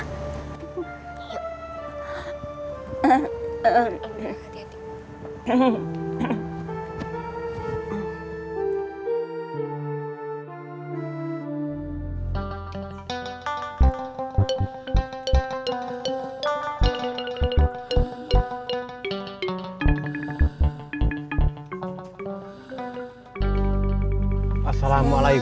mata sekarang istirahatnya di dalam aja ya